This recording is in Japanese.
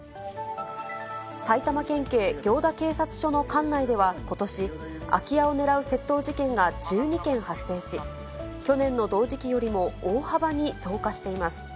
埼玉県警行田警察署の管内では、ことし、空き家を狙う窃盗事件が１２件発生し、去年の同時期よりも大幅に増加しています。